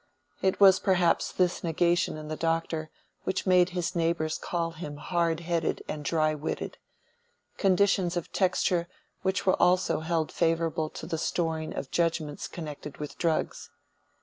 It was perhaps this negation in the Doctor which made his neighbors call him hard headed and dry witted; conditions of texture which were also held favorable to the storing of judgments connected with drugs.